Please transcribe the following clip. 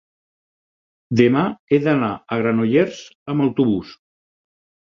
demà he d'anar a Granollers amb autobús.